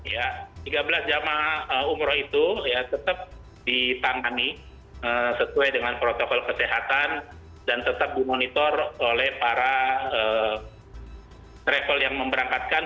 ya tiga belas jamaah umroh itu tetap ditangani sesuai dengan protokol kesehatan dan tetap dimonitor oleh para travel yang memberangkatkan